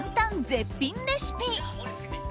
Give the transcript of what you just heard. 絶品レシピ。